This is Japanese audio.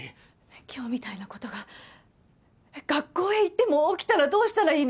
今日みたいな事が学校へ行っても起きたらどうしたらいいの？